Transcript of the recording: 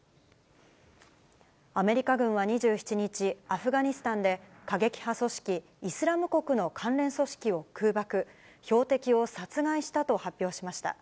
アメリカ軍は２７日、アフガニスタンで、過激派組織イスラム国の関連組織を空爆、標的を殺害したと発表しました。